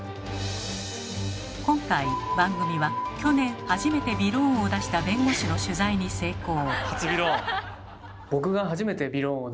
今回番組は去年初めてびろーんを出した弁護士の取材に成功。